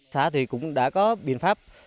xã thì cũng đã có biện pháp